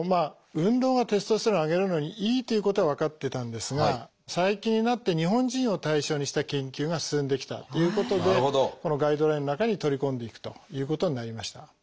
運動がテストステロンを上げるのにいいということは分かってたんですが最近になって日本人を対象にした研究が進んできたということでこのガイドラインの中に取り込んでいくということになりました。